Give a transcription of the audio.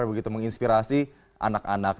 begitu menginspirasi anak anak